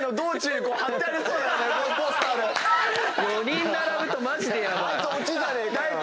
４人並ぶとマジヤバい。